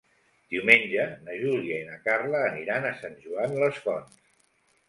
Diumenge na Júlia i na Carla aniran a Sant Joan les Fonts.